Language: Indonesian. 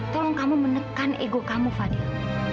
tolong kamu menekan ego kamu fadil